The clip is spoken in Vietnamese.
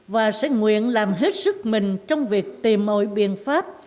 và sẽ nguyện làm hết sức mình trong việc tìm mọi biện pháp